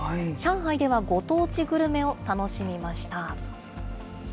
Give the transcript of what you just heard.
上海ではご当地グルメを楽しみました。